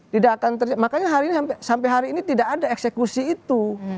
tidak akan terjadi makanya hari ini sampai hari ini tidak ada eksekusi itu